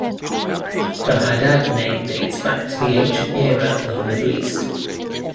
The Haddad name dates back to the ancient era of the Middle East.